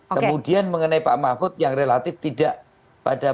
kemudian mengenai pak mahfud yang relatif tidak pada